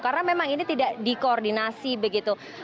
karena memang ini tidak di koordinasi begitu